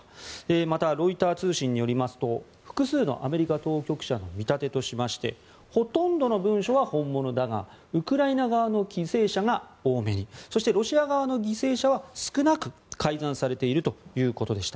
また、ロイター通信によりますと複数のアメリカ当局者の見立てとしましてほとんどの文書は本物だがウクライナ側の犠牲者が多めにそして、ロシア側の犠牲者は少なく改ざんされているということでした。